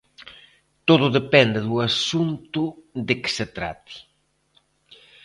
Todo depende do asunto de que se trate.